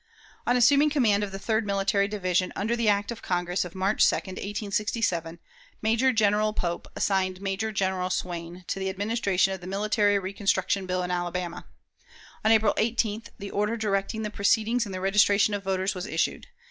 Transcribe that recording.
On assuming command of the Third Military Division under the act of Congress of March 2, 1867, Major General Pope assigned Major General Swayne to the "administration of the military reconstruction bill" in Alabama. On April 8th the order directing the proceedings in the registration of voters was issued.